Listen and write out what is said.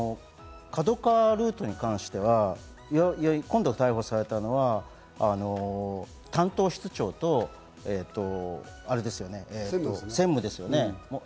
ＫＡＤＯＫＡＷＡルートに関しては、今度逮捕されたのは担当室長と専務ですよね。